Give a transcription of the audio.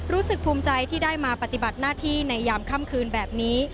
รู้สึกภูมิใจที่ได้มาปฏิบัติหน้าที่ในยามค่ำคืนแบบนี้